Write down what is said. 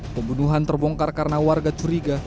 pembunuhan terbongkar karena warga curiga